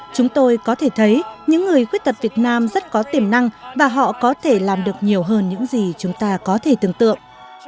chúng tôi có thể thấy những người khuyết tật việt nam rất có tiềm năng và họ có thể làm được nhiều hơn những gì chúng ta có thể tưởng tượng